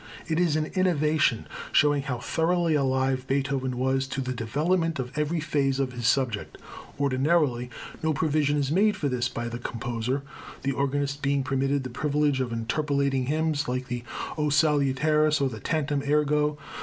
It is an innovation, showing how thoroughly alive Beethoven was to the development of every phase of his subject. Ordinarily, no provision is made for this by the composer, the organist being permitted the privilege of interpolating hymns like the O Salutaris or the Tantum ergo.